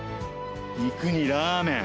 肉にラーメン。